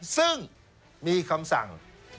ซึ่งมีคำสั่ง